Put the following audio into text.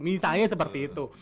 misalnya seperti itu